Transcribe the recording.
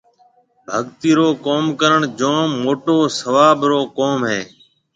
ڀگتِي رو ڪوم ڪرڻ جوم موٽو سواب رو ڪوم هيَ۔